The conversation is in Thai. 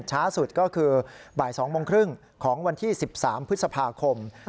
ช้าสุดก็คือบ่ายสองโมงครึ่งของวันที่สิบสามพฤษภาคมอืม